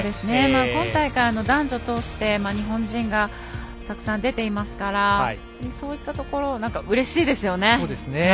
今大会は男女通して日本人がたくさん出ていますからそういったところうれしいです。